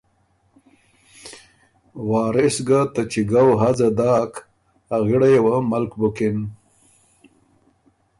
وارث ګۀ ته چِګؤ هځه داک، ا غِړئ یه وه ملک بُکِن